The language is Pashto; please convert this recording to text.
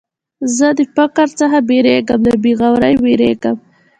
زه د فقر څخه بېرېږم، له بېغورۍ بېرېږم.